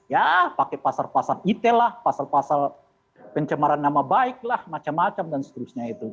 ya pakai pasar pasar ide lah pasal pasal pencemaran nama baik lah macam macam dan seterusnya itu